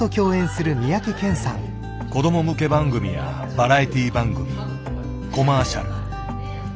子ども向け番組やバラエティー番組コマーシャル。